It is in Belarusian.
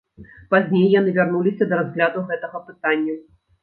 Пазней яны вярнуліся да разгляду гэтага пытання.